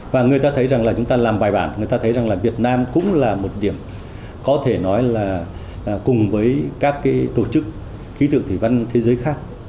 và người ta thấy rằng là chúng ta làm bài bản người ta thấy rằng là việt nam cũng là một điểm có thể nói là cùng với các cái tổ chức khí tượng thủy văn thế giới khác